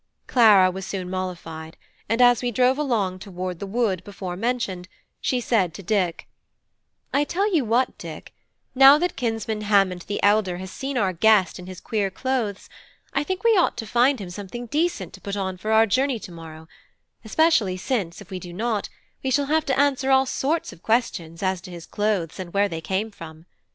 Clara was soon mollified; and as we drove along toward the wood before mentioned, she said to Dick "I tell you what, Dick: now that kinsman Hammond the Elder has seen our guest in his queer clothes, I think we ought to find him something decent to put on for our journey to morrow: especially since, if we do not, we shall have to answer all sorts of questions as to his clothes and where they came from.